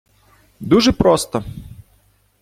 Дуже просто!